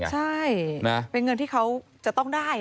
ใช่เป็นเงินที่เขาจะต้องได้